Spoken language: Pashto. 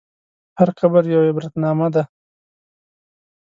هر قبر یوه عبرتنامه ده.